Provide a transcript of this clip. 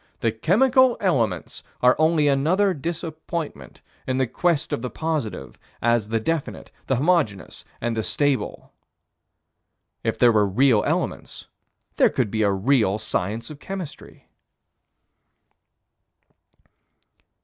The chemical elements are only another disappointment in the quest for the positive, as the definite, the homogeneous, and the stable. If there were real elements, there could be a real science of chemistry.